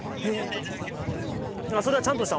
それはちゃんとした